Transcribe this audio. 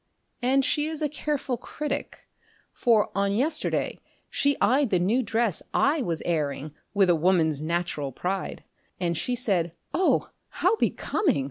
And she is a careful critic; for on yesterday she eyed The new dress I was airing with a woman's natural pride, And she said: "Oh, how becoming!"